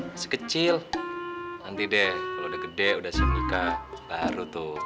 masih kecil nanti deh kalau udah gede udah si nikah baru tuh